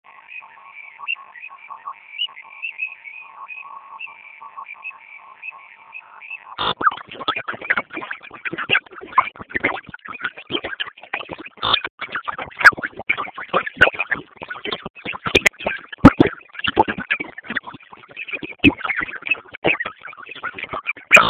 «توندلاري طالبان» اصطلاح سمه به وي.